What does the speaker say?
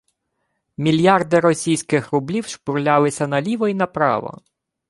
Мільярди російських рублів шпурлялися наліво й направо